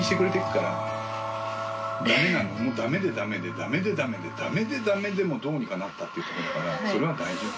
駄目で駄目で駄目で駄目で駄目でもどうにかなったってとこだからそれは大丈夫。